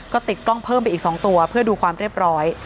ก็ติดกล้องเพิ่มไปอีก๒ตัวเพื่อดูความเรียบร้อย